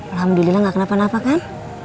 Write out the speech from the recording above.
alhamdulillah gak kenapa napa kan